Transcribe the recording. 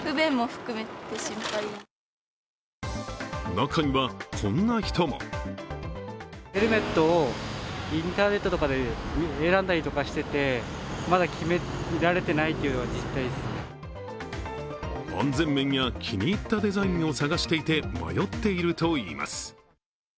中には、こんな人も安全面や気に入ったデザインを探していて迷っているといいます。